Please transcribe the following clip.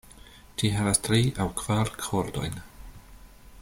Ĝi havas tri aŭ kvar kordojn.